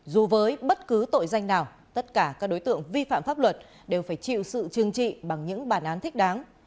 dù với bất cứ tội danh nào tất cả các đối tượng vi phạm pháp luật đều phải chịu sự trừng trị bằng những bản án thích đáng